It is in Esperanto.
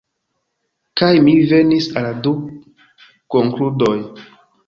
Kaj mi venis al du konkludoj.